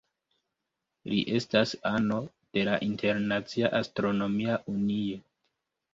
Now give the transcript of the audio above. Li estas ano de la Internacia Astronomia Unio.